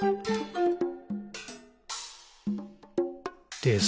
「です。」